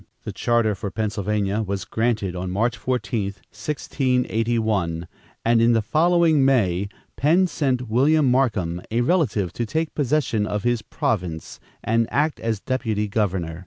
The charter for Pennsylvania was granted on March 14, 1681, and in the following May, Penn sent William Markham, a relative, to take possession of his province and act as deputy governor.